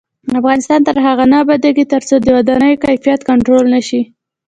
افغانستان تر هغو نه ابادیږي، ترڅو د ودانیو کیفیت کنټرول نشي.